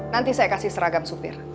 nanti saya kasih seragam supir